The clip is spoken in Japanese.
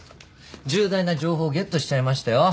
重大な情報ゲットしちゃいましたよ。